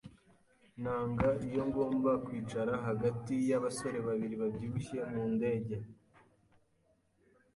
Nanga iyo ngomba kwicara hagati yabasore babiri babyibushye mu ndege.